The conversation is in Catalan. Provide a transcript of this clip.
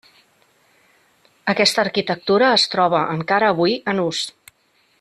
Aquesta arquitectura es troba, encara avui, en ús.